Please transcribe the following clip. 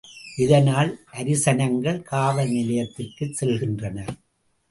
இதனால் அரிசனங்கள் காவல் நிலையத்திற்குச் செல்கின்றனர்!